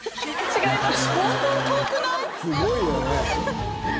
違います。